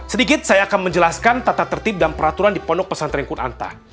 sedikit saya akan menjelaskan tata tertib dan peraturan di pondok pesantren kunta